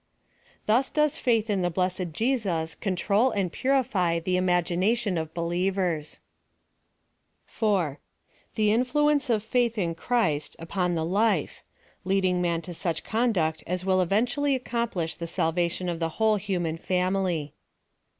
Thus does faith in the blessed Jesus control and purify the imagination of believers. PLAN OF SALVATION. 2J3 4. The influence of faith in chhist upon the life : leading man to such conduct as will eventually accomplish the salvation of the whole human family.